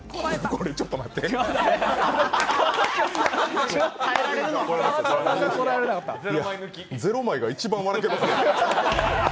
これちょっと待っていや０枚が一番、笑えてきます。